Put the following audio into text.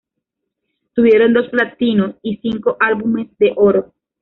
Tuvieron dos platino y cinco álbumes de oro.